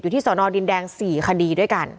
ที่สอนอดินแดง๔คดีด้วยกัน